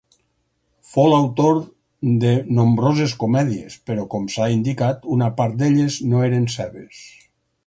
Fou l'autor de nombroses comèdies, però com s'ha indicat una part d'elles no eren seves.